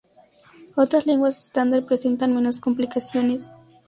Otras lenguas estándar presentan menos complicaciones.